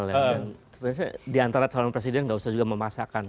dan sebenarnya diantara calon presiden gak usah juga memasakkan